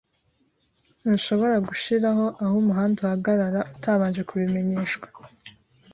Ntushobora gushiraho aho umuhanda uhagarara utabanje kubimenyeshwa.